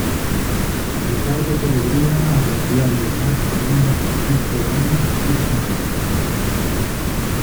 Ricardo Peregrina aprendió a dibujar copiando a Francisco Ibáñez y Jan.